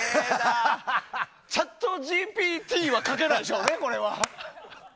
チャットＧＰＴは書けないでしょうね、これは。